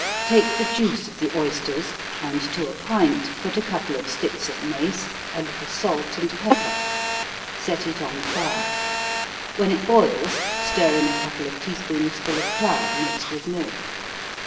_ Take the juice of the oysters, and to a pint put a couple of sticks of mace, a little salt and pepper. Set it on the fire when it boils, stir in a couple of tea spoonsful of flour, mixed with milk.